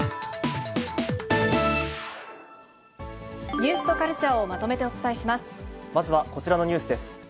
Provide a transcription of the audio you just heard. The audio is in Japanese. ニュースとカルチャーをまとめてまずはこちらのニュースです。